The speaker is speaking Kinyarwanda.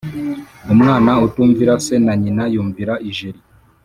Umwana utumvira se na nyina yumvira ijeri.